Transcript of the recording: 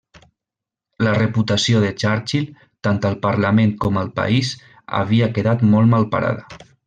La reputació de Churchill, tant al Parlament com al país, havia quedat molt malparada.